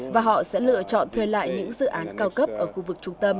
và họ sẽ lựa chọn thuê lại những dự án cao cấp ở khu vực trung tâm